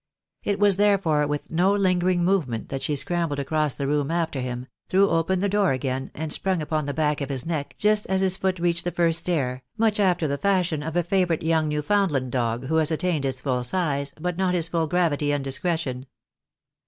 It was therefore with no lingering movement that she scrambled across the room after him, threw open the door again, and sprung upon the back of his neck just as his foot reached the first stair, much after the fashion of a favourite young ISTewfound land dog who has attained his full size, but not his full gravity and discretion.